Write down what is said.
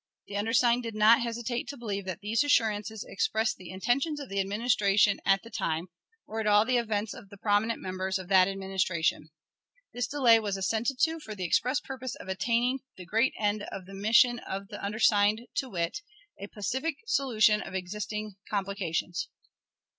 The undersigned did not hesitate to believe that these assurances expressed the intentions of the Administration at the time, or at all events of prominent members of that Administration. This delay was assented to for the express purpose of attaining the great end of the mission of the undersigned, to wit, a pacific solution of existing complications.